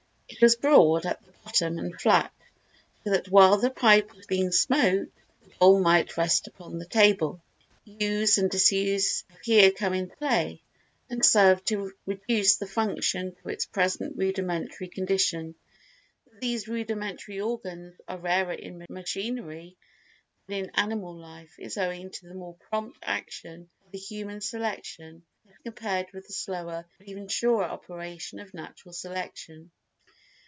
It was broad at the bottom and flat, so that while the pipe was being smoked, the bowl might rest upon the table. Use and disuse have here come into play and served to reduce the function to its present rudimentary condition. That these rudimentary organs are rarer in machinery than in animal life is owing to the more prompt action of the human selection as compared with the slower but even surer operation of natural selection.